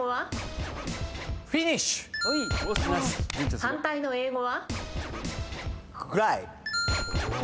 反対の英語は？